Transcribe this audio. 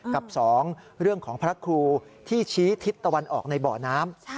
กับ๒เรื่องของพระครูที่ชี้ทิศตะวันออกในเบาะน้ำ